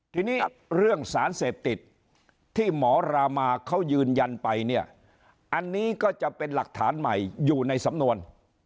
ทีนี้เรื่องสารเสพติดที่หมอรามาเขายืนยันไปเนี่ยอันนี้ก็จะเป็นหลักฐานใหม่อยู่ในสำนวน